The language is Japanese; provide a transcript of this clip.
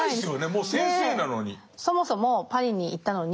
もう先生なのに。